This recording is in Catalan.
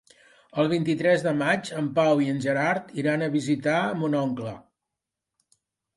El vint-i-tres de maig en Pau i en Gerard iran a visitar mon oncle.